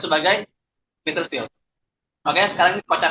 sebagai betterfield in tomato